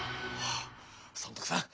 尊徳さん